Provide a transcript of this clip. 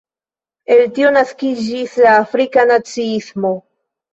El tio naskiĝis la Afrika naciismo.